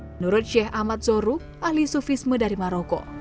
menurut sheikh ahmad zohru ahli sufisme dari maroko